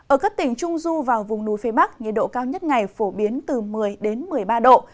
ở các tỉnh trung du và vùng núi phía bắc nhiệt độ cao nhất ngày phổ biến từ một mươi một mươi ba độ